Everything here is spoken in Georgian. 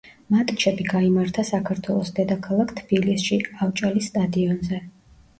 მატჩები გაიმართა საქართველოს დედაქალაქ თბილისში, ავჭალის სტადიონზე.